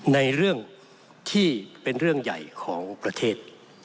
ในเรื่องที่เป็นเรื่องใหญ่ของประเทศ